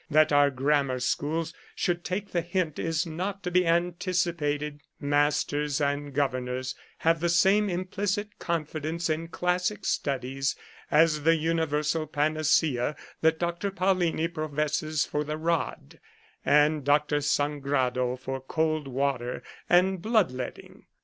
That our grammar schools should take the hint is not to be anticipated ; masters and governors have the same implicit con fidence in classic studies as the universal panacea that Dr. Paullini professes for the rod and Dr. Sangrado for cold water and blood letting.